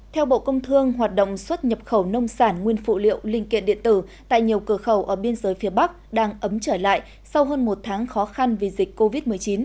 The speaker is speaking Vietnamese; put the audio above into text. theo bộ công thương hoạt động xuất nhập khẩu nông sản nguyên phụ liệu linh kiện điện tử tại nhiều cửa khẩu ở biên giới phía bắc đang ấm trở lại sau hơn một tháng khó khăn vì dịch covid một mươi chín